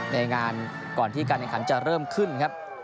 ในงานก่อนที่การแข่งขันจะเริ่มขึ้นครับ